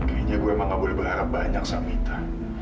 kayaknya gue emang gak boleh berharap banyak sama mita